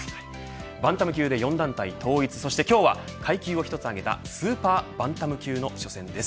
バンタム級で４団体統一そして今日は階級を１つ上げたスーパーバンタム級の初戦です。